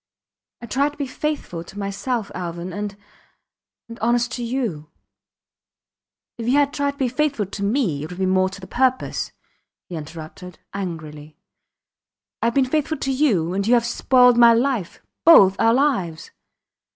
I tried to be faithful to myself Alvan and ... and honest to you. ... If you had tried to be faithful to me it would have been more to the purpose, he interrupted, angrily. Ive been faithful to you and you have spoiled my life both our lives